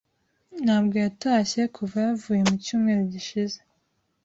Ntabwo yatashye kuva yavuye mu cyumweru gishize.